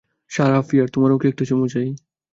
Sarah Fear, তোমারও একটা চুমু চাই?